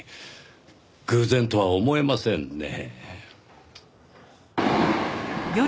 偶然とは思えませんねぇ。